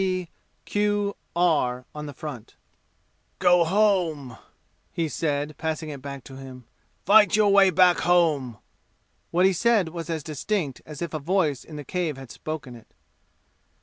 P. Q. R. on the front. "Go home!" he said, passing it back to him. "Fight your way back home!" What he said was as distinct as if a voice in the cave had spoken it.